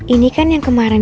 ini kan yang kemarin